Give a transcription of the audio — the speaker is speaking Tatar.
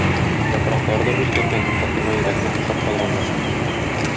Яфраклары да үзгәргән - Фатыйма йөрәгенә охшап калганнар.